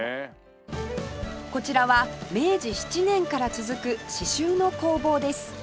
こちらは明治７年から続く刺繍の工房です